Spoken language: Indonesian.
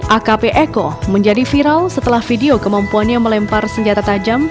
akp eko menjadi viral setelah video kemampuannya melempar senjata tajam